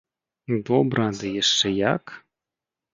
Добра, ды яшчэ як!